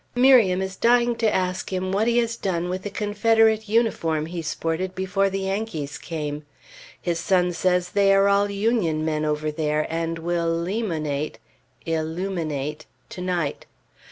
Miriam is dying to ask him what he has done with the Confederate uniform he sported before the Yankees came. His son says they are all Union men over there, and will "lemonate" (illuminate) to night.